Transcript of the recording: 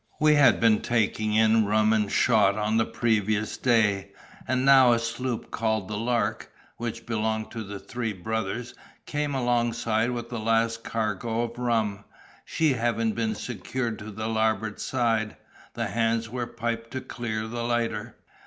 We had been taking in rum and shot on the previous day, and now a sloop called the Lark, which belonged to the three brothers, came alongside with the last cargo of rum; she having been secured to the larboard side, the hands were piped to clear the lighter.